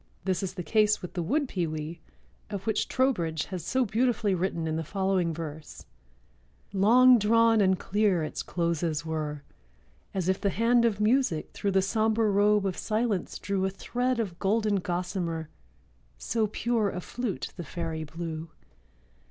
This is the case with the wood pewee, of which Trowbridge has so beautifully written in the following verse: "Long drawn and clear its closes were— As if the hand of Music through The sombre robe of Silence drew A thread of golden gossamer; So pure a flute the fairy blew.